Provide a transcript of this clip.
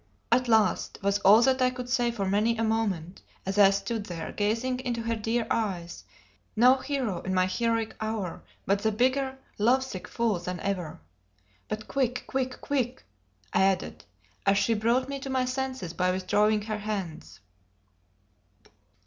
"At last!" was all that I could say for many a moment, as I stood there gazing into her dear eyes, no hero in my heroic hour, but the bigger love sick fool than ever. "But quick quick quick!" I added, as she brought me to my senses by withdrawing her hands.